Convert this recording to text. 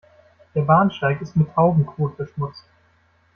Der Bahnsteig ist mit Taubenkot beschmutzt.